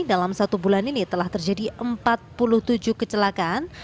dalam satu bulan ini telah terjadi empat puluh tujuh kecelakaan